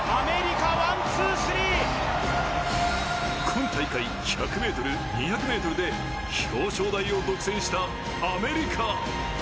今大会１００ｍ、２００ｍで表彰台を独占したアメリカ。